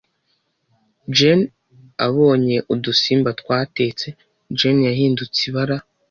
Jane abonye udusimba twatetse, Jane yahindutse ibara